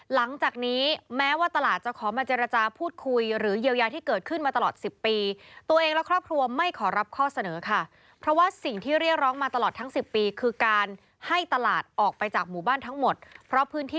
หลังจากนี้แม้ว่าตลาดจะขอมาเจรจาพูดคุย